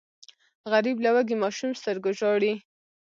غریب له وږي ماشوم سترګو ژاړي